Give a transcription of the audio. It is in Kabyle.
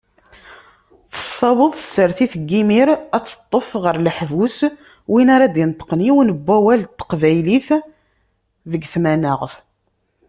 Tessaweḍ tsertit n yimir, ad teṭṭef ɣer leḥbus win ara d-ineṭṭqen yiwen n wawal s teqbaylit deg tmanaɣt.